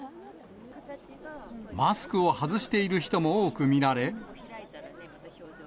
マスクを外している人も多く見られ。